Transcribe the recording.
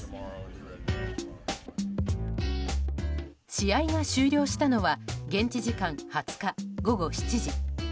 試合が終了したのは現地時間２０日、午後７時。